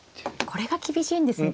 これが厳しいんですね。